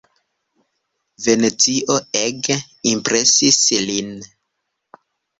Venecio ege impresis lin.